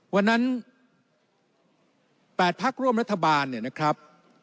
วันนั้น๘พักร่วมรัฐบาลเนี่ยนะครับ